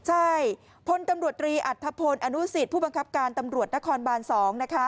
ใช่พลตำรวจตรีอัธพลอนุสิตผู้บังคับการตำรวจนครบาน๒นะคะ